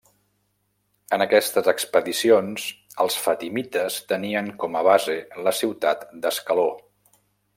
En aquestes expedicions els fatimites tenien com a base la ciutat d'Ascaló.